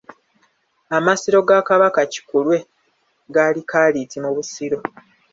Amasiro ga Kabaka Kikulwe gali Kkaaliiti mu Busiro.